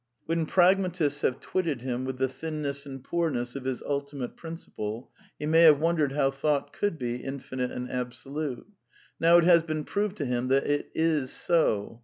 When pragma tists have twitted him with the thinness and poorness of K I his ultimate principle he may have wondered how thought 1 1 could be infinite and absolute. Now it has been proved V to him that it is so.